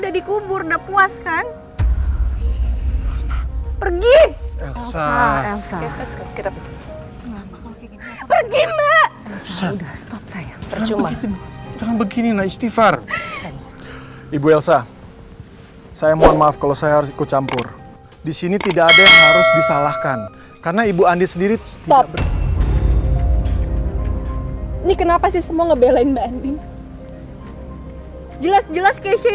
tapi sekarang alhamdulillah udah membaikku